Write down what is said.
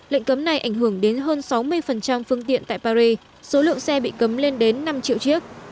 lệnh cấm này ảnh hưởng đến hơn sáu mươi phương tiện tại paris số lượng xe bị cấm lên đến năm triệu chiếc